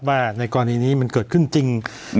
ว่าในกรณีนี้มันเกิดขึ้นจริง